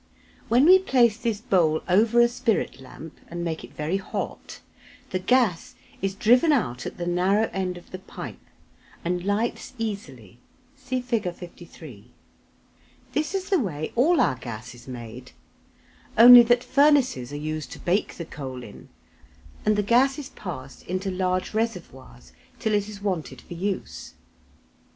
When we place this bowl over a spirit lamp and make it very hot, the gas is driven out at the narrow end of the pipe and lights easily (see Fig. 53). This is the way all our gas is made, only that furnaces are used to bake the coal in, and the gas is passed into large reservoirs till it is wanted for use.